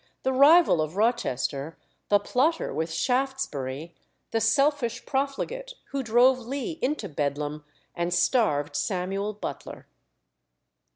the rival of Rochester, the plotter with Shaftesbury, the selfish profligate who drove Lee into Bedlam and starved Samuel Butler.